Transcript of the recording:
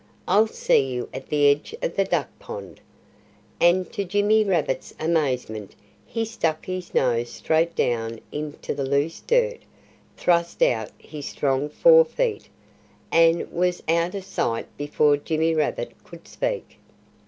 I'll see you at the edge of the duck pond." And to Jimmy Rabbit's amazement he stuck his nose straight down into the loose dirt, thrust out his strong fore feet, and was out of sight before Jimmy Rabbit could speak.